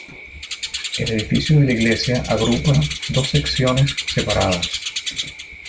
El edificio de la iglesia agrupa dos secciones separadas.